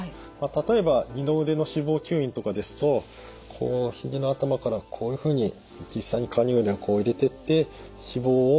例えば二の腕の脂肪吸引とかですとこう肘の頭からこういうふうに実際にカニューレをこう入れてって脂肪を